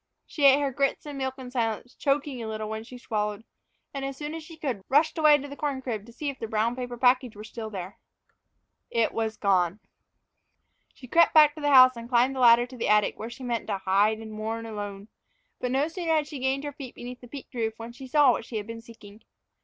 She ate her grits and milk in silence, choking a little when she swallowed, and, as soon as she could, rushed away to the corn crib to see if the brown paper package were still there. It was gone! Then she knew that her big brothers had sent it away. She crept back to the house and climbed the ladder to the attic, where she meant to hide and mourn alone. But no sooner had she gained her feet beneath the peaked roof, than she saw what she had been seeking.